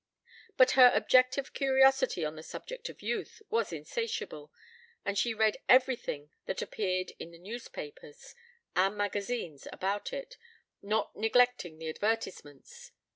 But her objective curiosity on the subject of youth was insatiable and she read everything that appeared in the newspapers and magazines about it, not neglecting the advertisements.